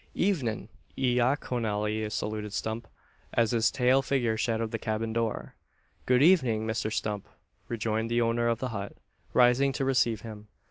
"Evenin'!" laconically saluted Zeb, as his tail figure shadowed the cabin door. "Good evening', Mr Stump!" rejoined the owner of the hut, rising to receive him.